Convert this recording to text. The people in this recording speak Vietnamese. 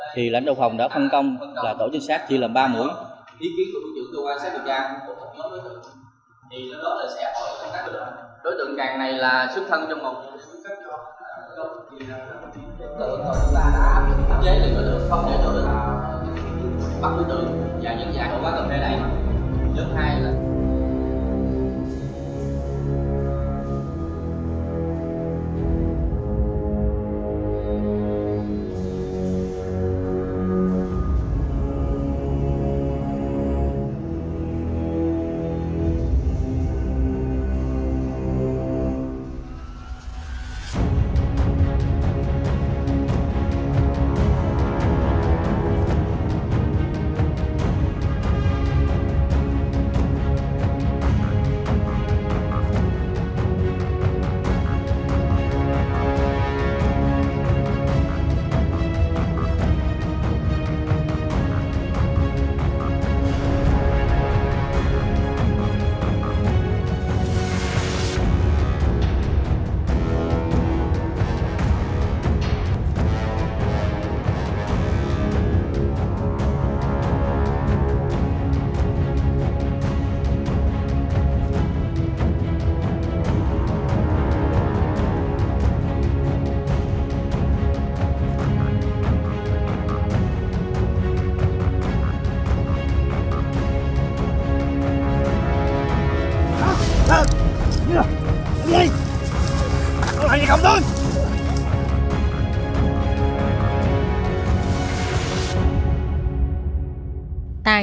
thì lãnh đạo phòng đã phân công và tổ chính xác chia làm ba mũi